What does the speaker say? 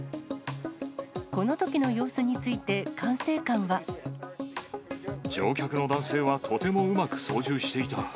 このときの様子について、乗客の男性はとてもうまく操縦していた。